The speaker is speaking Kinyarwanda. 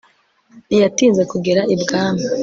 ntinyatinze kugera i bwami